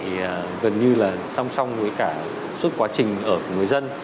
thì gần như là song song với cả suốt quá trình ở của người dân